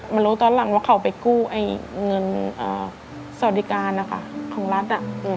มารู้ตอนหลังว่าเขาไปกู้เงินสวัสดิการนะคะของรัฐ